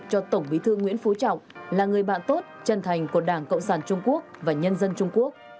cho tổng bí thư nguyễn phú trọng là người bạn tốt chân thành của đảng cộng sản trung quốc và nhân dân trung quốc